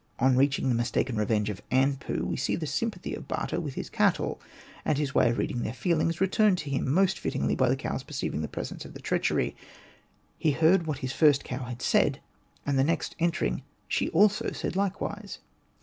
On reaching the mistaken revenge of Anpu, we see the sympathy of Bata with his cattle, and his way of reading their feelings, returned to him most fittingly by the cows perceiving the presence of the treachery. '' He heard what his first cow had said ; and the next entering she also said likewise.''